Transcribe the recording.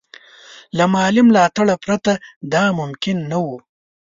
له مالي ملاتړه پرته دا ممکن نه وو.